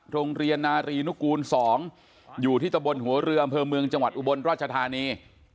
โรงเรียนนารีนุกูล๒อยู่ที่ตะบนหัวเรืออำเภอเมืองจังหวัดอุบลราชธานี